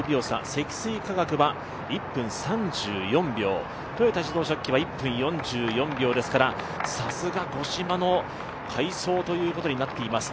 積水化学は１分３４秒、豊田自動織機は１分４４秒ですから、さすが、五島の快走ということになっています。